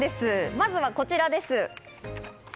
まずはこちらです。